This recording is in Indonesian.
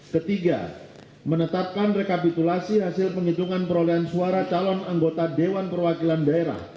ketiga menetapkan rekapitulasi hasil penghitungan perolehan suara calon anggota dewan perwakilan daerah